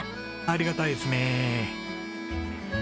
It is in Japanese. ありがたいですね。